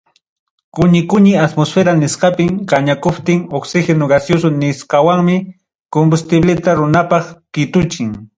Quni quni atmósfera nisqapim kañakuptin, oxígeno gaseoso nisqawanmi combustibleta ruwanapaq kituchin.